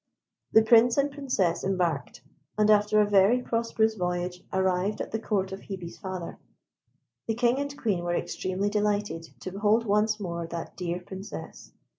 The Prince and Princess embarked, and after a very prosperous voyage, arrived at the Court of Hebe's father. The King and Queen were extremely delighted to behold once more that dear Princess.